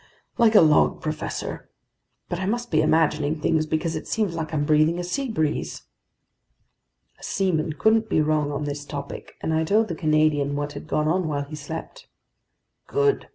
"Like a log, professor. But I must be imagining things, because it seems like I'm breathing a sea breeze!" A seaman couldn't be wrong on this topic, and I told the Canadian what had gone on while he slept. "Good!"